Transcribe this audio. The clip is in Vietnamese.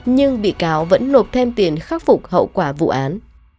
nhưng bị cáo vẫn nộp thêm tiền khắc phục hậu quả vụ án